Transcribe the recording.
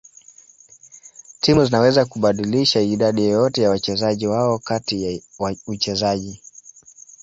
Timu zinaweza kubadilisha idadi yoyote ya wachezaji wao kati ya uchezaji.